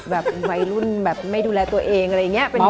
แบบวัยรุ่นแบบไม่ดูแลตัวเองอะไรอย่างนี้